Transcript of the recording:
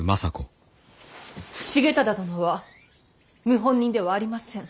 重忠殿は謀反人ではありません。